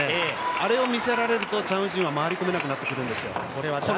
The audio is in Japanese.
あれを見せられると、チャン・ウジンは回り込めなくなってくるんですよ。